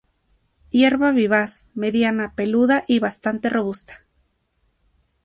Hierba vivaz, mediana, peluda y bastante robusta.